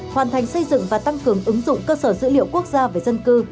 hoàn thành xây dựng và tăng cường ứng dụng cơ sở dữ liệu quốc gia về dân cư